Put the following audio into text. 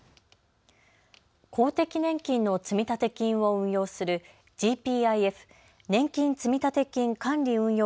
公的年金の積立金を運用するＧＰＩＦ・年金積立金管理運用